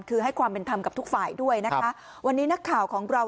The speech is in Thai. คือให้ความเป็นธรรมกับทุกฝ่ายด้วยนะคะวันนี้นักข่าวของเรา